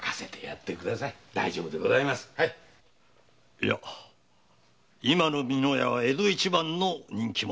いや今の美乃屋は江戸一番の人気者。